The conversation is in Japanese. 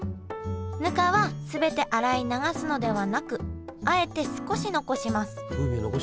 ぬかは全て洗い流すのではなくあえて少し残します。